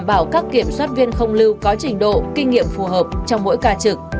đảm bảo các kiểm soát viên không lưu có trình độ kinh nghiệm phù hợp trong mỗi ca trực